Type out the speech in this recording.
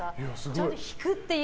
ちゃんと引くっていう。